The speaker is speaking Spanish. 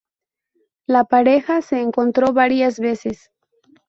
La pareja se encontró varias veces.